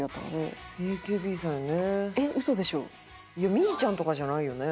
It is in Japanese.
みぃちゃんとかじゃないよね？